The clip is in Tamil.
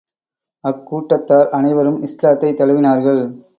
அக்கூட்டத்தார் அனைவரும் இஸ்லாத்தைத் தழுவினார்கள்.